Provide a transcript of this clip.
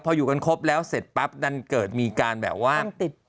พออยู่กันครบแล้วเสร็จปั๊บดันเกิดมีการแบบว่า